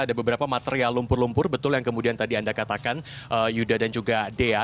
ada beberapa material lumpur lumpur betul yang kemudian tadi anda katakan yuda dan juga dea